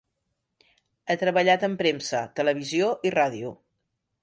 Ha treballat en premsa, televisió i ràdio.